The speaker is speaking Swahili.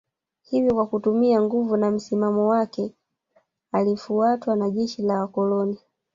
Hivyo kwa kutumia nguvu na msimamo wake alifuatwa na jeshi la Wakoloni